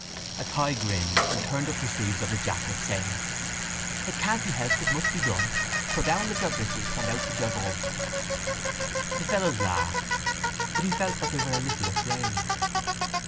Athy grinned and turned up the sleeves of his jacket, saying: It can't be helped; It must be done. So down with your breeches And out with your bum. The fellows laughed; but he felt that they were a little afraid.